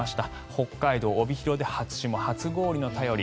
北海道帯広で初霜、初氷の便り。